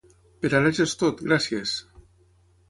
Per ara ja és tot, gràcies!